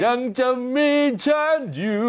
อยากจะมีฉันอยู่